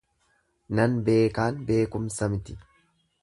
Nan beekaan beekumsa miti.